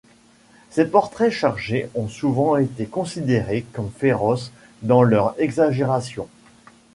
Ses portraits charges ont souvent été considérés comme féroces dans leurs exagérations.